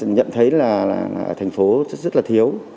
nhận thấy là thành phố rất là thiếu